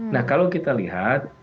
nah kalau kita lihat